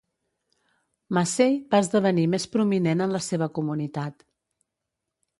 Massey va esdevenir més prominent en la seva comunitat.